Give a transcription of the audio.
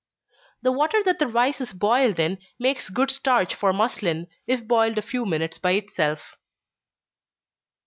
The water that the rice is boiled in, makes good starch for muslin, if boiled a few minutes by itself.